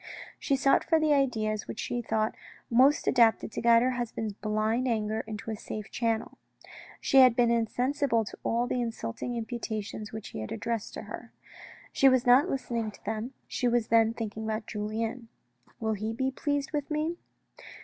She sought for the ideas which she thought most adapted to guide her husband's blind anger into a safe channel. She had been insensible to all the insulting imputations which he had addressed to her. She was not listening to them, she was then thinking about Julien. " Will he be pleased with me?"